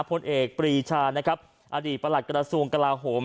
พลเอกปรีชาอดีตประหลัดกระทรวงกระลาโหม